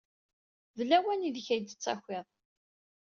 D lawan aydeg ay d-tettakiḍ.